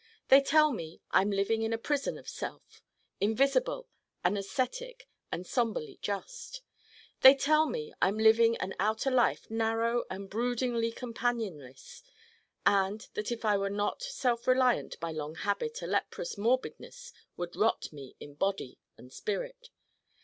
They tell me I'm living in a prison of self, invisible and ascetic and somberly just. They tell me I'm living an outer life narrow and broodingly companionless and that if I were not self reliant by long habit a leprous morbidness would rot me in body and spirit.